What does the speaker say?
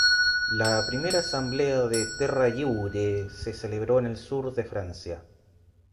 La primera Asamblea de Terra Lliure se celebró en el sur de Francia.